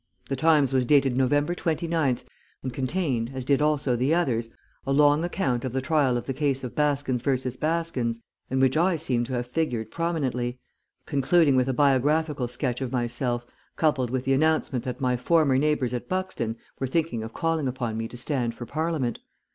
The Times was dated November twenty ninth and contained, as did also the others, a long account of the trial of the case of Baskins v. Baskins, in which I seemed to have figured prominently, concluding with a biographical sketch of myself coupled with the announcement that my former neighbours at Buxton were thinking of calling upon me to stand for Parliament.